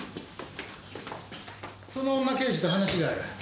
その女刑事と話がある。